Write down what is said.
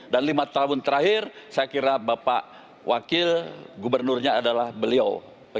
lima tahun terakhir saya kira bapak wakil gubernurnya adalah beliau